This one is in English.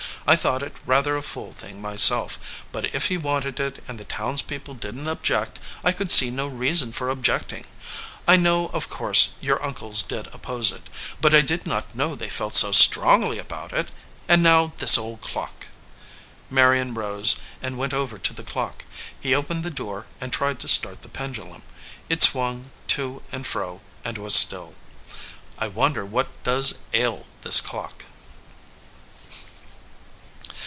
I thought it rather a fool thing myself, but if he wanted it and the townspeople didn t object I could see no reason for objecting. I know, of course, your uncles did oppose it ; but I did not know they felt so strongly about it and now this old clock !" Marion rose and went over to the clock. He opened the door and tried to start the pendulum. It swung to and fro, and was still. "I wonder what does ail this clock."